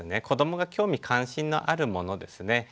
子どもが興味関心のあるものですね